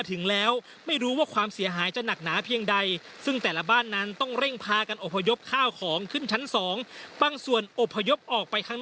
ถึงแล้วไม่รู้ว่าความเสียหายจะหนักน้าเพียงได้